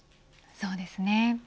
そうですね。